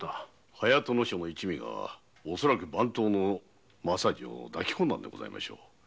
隼人正の一味が番頭の政次を抱き込んだのでございましょう。